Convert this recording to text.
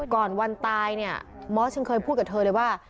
ก่อนวันตายมอสก็เคยพูดกับเธอเลยว่า